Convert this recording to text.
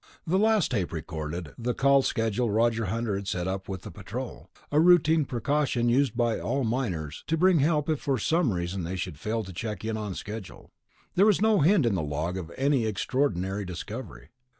The last tape recorded the call schedule Roger Hunter had set up with the Patrol, a routine precaution used by all miners, to bring help if for some reason they should fail to check in on schedule. There was no hint in the log of any extraordinary discovery.